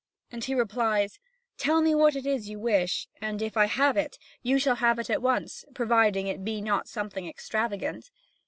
And he replies: "Tell me what it is you wish; and if I have it, you shall have it at once, provided it be not something extravagant."